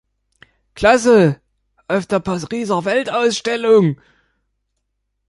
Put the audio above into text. Klasse auf der Pariser Weltausstellung.